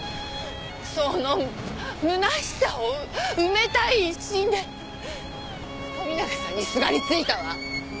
その空しさを埋めたい一心で富永さんに縋りついたわ。